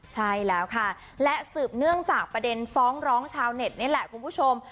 ใช่แล้วค่ะและสืบเนื่องจากประเด็นฟ้องร้องชาวเน็ตนี่แหละคุณผู้ชม